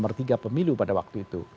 nomor tiga pemilu pada waktu itu